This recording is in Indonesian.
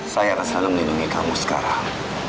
saya akan selalu melindungi kamu sekarang